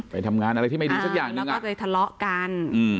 ไปทำงานอะไรที่ไม่ดีสักอย่างหนึ่งก็เลยทะเลาะกัน